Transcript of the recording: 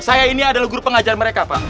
saya ini adalah guru pengajar mereka pak